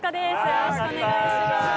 よろしくお願いします。